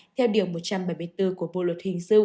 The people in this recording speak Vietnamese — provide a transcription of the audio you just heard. theo điều một trăm bảy mươi bốn của bộ luật hình sự